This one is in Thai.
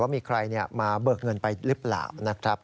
มีใครมาเบิกเงินไปหรือเปล่านะครับ